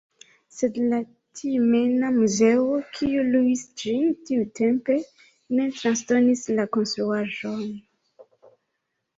Sed la Tjumena muzeo, kiu luis ĝin tiutempe, ne transdonis la konstruaĵon.